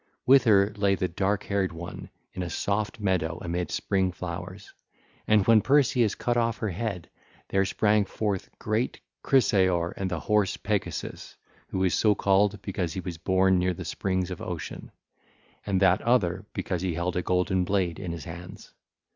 With her lay the Dark haired One 1614 in a soft meadow amid spring flowers. And when Perseus cut off her head, there sprang forth great Chrysaor and the horse Pegasus who is so called because he was born near the springs (pegae) of Ocean; and that other, because he held a golden blade (aor) in his hands.